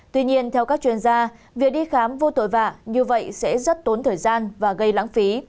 tuy nhiên theo các chuyên gia việc đi khám vô tội vạ như vậy sẽ rất tốn thời gian và gây lãng phí